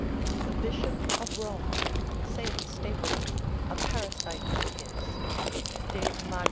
The bishop of Rome (saith Stapleton, a parasite of his, de mag.